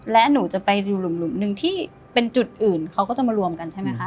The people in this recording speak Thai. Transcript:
และหนูจะไปอยู่หลุมหนึ่งที่เป็นจุดอื่นเขาก็จะมารวมกันใช่ไหมคะ